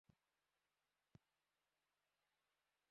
কিন্তু আপাতত প্রাথমিক কাজ চলার জন্য ভেঙে পড়া ব্রিজটিই সংস্কার করা হবে।